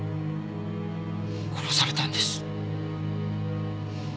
殺されたんです。